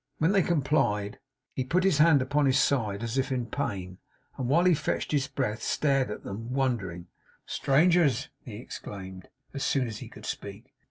When they complied, he put his hand upon his side as if in pain, and while he fetched his breath stared at them, wondering. 'Strangers!' he exclaimed, as soon as he could speak.